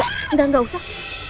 enggak enggak usah